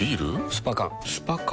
スパ缶スパ缶？